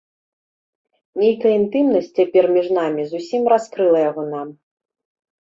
Нейкая інтымнасць цяпер між намі зусім раскрыла яго нам.